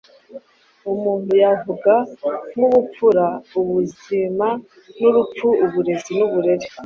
umuntu yavuga nk’ ubupfura, ubuzima n’urupfu, uburezi n’uburere,